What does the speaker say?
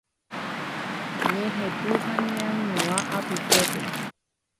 ñehetũ ha ñeañuã apytépe.